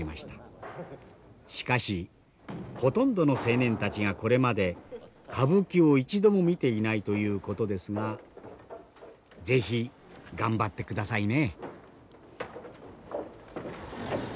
しかしほとんどの青年たちがこれまで歌舞伎を一度も見ていないということですが是非頑張ってくださいね。